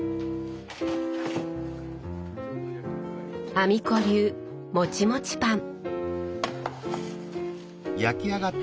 阿美子流もちもちパン。